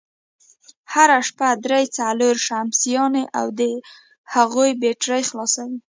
هره شپه درې، څلور شمسيانې او د هغوی بېټرۍ خلاصوي،